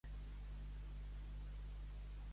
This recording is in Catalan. Segons Peumans, què no té Espanya?